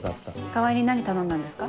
川合に何頼んだんですか？